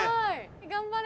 頑張れ。